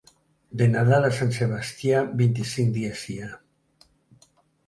De Nadal a Sant Sebastià, vint-i-cinc dies hi ha.